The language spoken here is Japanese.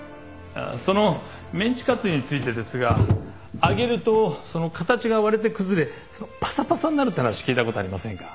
そのメンチカツについてですが揚げるとその形が割れて崩れパサパサになるって話聞いたことありませんか？